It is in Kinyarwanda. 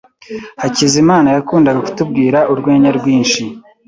Hakizimana yakundaga kutubwira urwenya rwinshi.